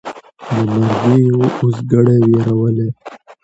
له مرګي یې وو اوزګړی وېرولی